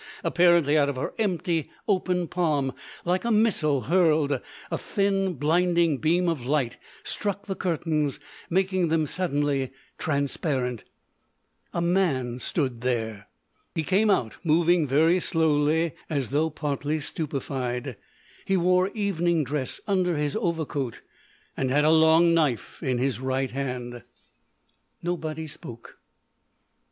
Apparently out of her empty open palm, like a missile hurled, a thin, blinding beam of light struck the curtains, making them suddenly transparent. A man stood there. He came out, moving very slowly as though partly stupefied. He wore evening dress under his overcoat, and had a long knife in his right hand. Nobody spoke.